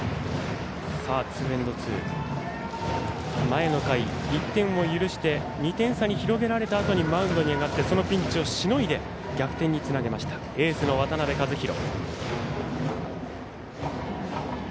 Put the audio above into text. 前の回、１点を許して２点差に広げられたあとにマウンドに上がってそのピンチをしのいで逆転につないだエースの渡辺和大。